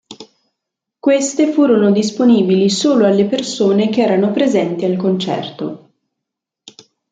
Queste furono disponibili solo alle persone che erano presenti al concerto.